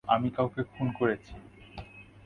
আমি কাউকে খুন করেছি।